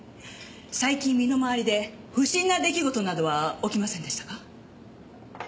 最近身の周りで不審な出来事などは起きませんでしたか？